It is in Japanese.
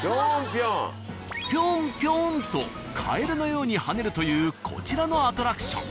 ぴょんぴょんとカエルのように跳ねるというこちらのアトラクション。